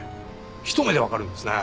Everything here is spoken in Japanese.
一目でわかるんですね！